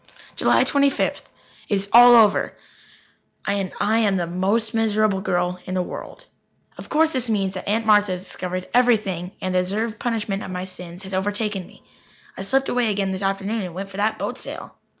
July Twenty fifth. It is all over, and I am the most miserable girl in the world. Of course this means that Aunt Martha has discovered everything and the deserved punishment of my sins has overtaken me. I slipped away again this afternoon and went for that boat sail.